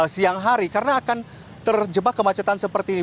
siang hari karena akan terjebak kemacetan seperti ini